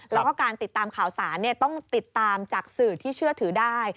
แล้วก็การติดตามข่าวสารต้องติดตามจากสื่อที่เชื่อถือได้